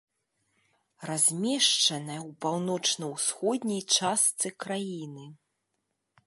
Размешчаная ў паўночна-ўсходняй частцы краіны.